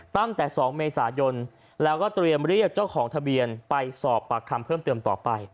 ตั้งแต่๒เมษายนแล้วก็เตรียมเรียกเจ้าของทะเบียนไปสอบปากคำเพิ่มเติมต่อไป